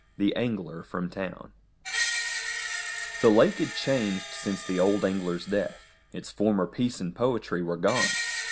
XIV: THE ANGLER FROM TOWN The lake had changed since the old angler's death; its former peace and poetry were gone.